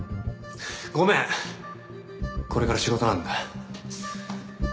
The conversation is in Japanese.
ごめんこれから仕事なんだ。